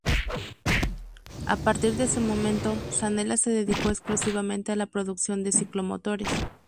A partir de ese momento, Zanella se dedicó exclusivamente a la producción de ciclomotores.